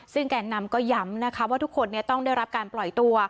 ซึ่งแก่นำก็ย้ำนะคะว่าทุกคนต้องได้รับการปล่อยตัว